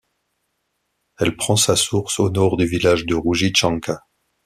Elle prend sa source au nord du village de Roujytchanka.